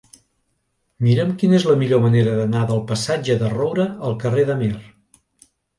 Mira'm quina és la millor manera d'anar del passatge de Roura al carrer d'Amer.